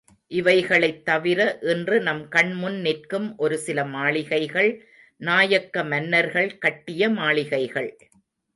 இவைகளைத் தவிர, இன்று நம் கண் முன் நிற்கும் ஒரு சில மாளிகைகள், நாயக்க மன்னர்கள் கட்டிய மாளிகைகள்.